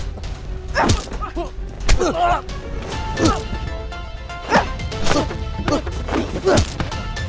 gua baru output berantem